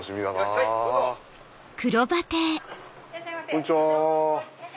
こんにちは。